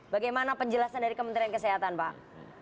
bagaimana penjelasan dari kementerian kesehatan pak